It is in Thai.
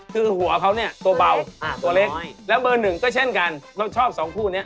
คือหัวเขาเนี่ยตัวเบาตัวเล็กแล้วเบอร์หนึ่งก็เช่นกันเราชอบสองคู่นี้